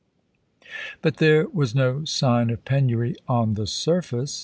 But there was no sign of penury on the surface.